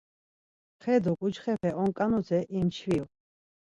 Xe do ǩuçxepe onǩanute imçviru.